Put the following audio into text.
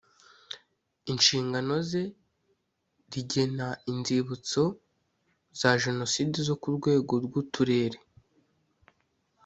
Inshingano ze rigena inzibutso za Jenoside zo ku rwego rw’uturere